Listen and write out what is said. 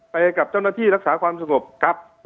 ไปกับเจ้าหน้าที่รักษาความสงบครับ